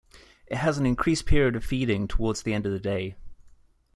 It has an increased period of feeding towards the end of the day.